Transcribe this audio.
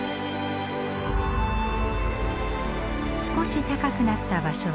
少し高くなった場所はテラス。